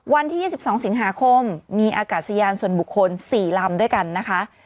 วันที่๒๒สิงหาคมมีอากาศยานส่วนบุคคล๔ลำด้วยกันนะคะ